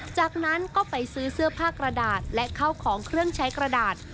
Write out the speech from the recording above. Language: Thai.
จากนั้นก็ไปซื้อเสื้อผ้ากระดาษและเข้าของเครื่องใช้กระดาษ